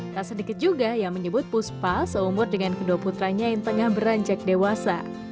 tak sedikit juga yang menyebut puspa seumur dengan kedua putranya yang tengah beranjak dewasa